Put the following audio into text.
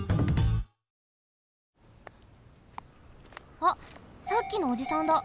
あっさっきのおじさんだ。